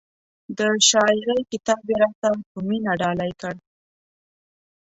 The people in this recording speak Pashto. د شاعرۍ کتاب یې را ته په مینه ډالۍ کړ.